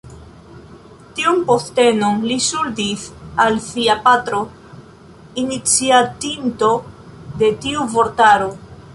Tiun postenon li ŝuldis al sia patro, iniciatinto de tiu vortaro.